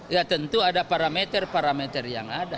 ya tentu ada parameter parameter yang ada